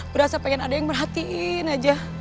berasa pengen ada yang merhatiin aja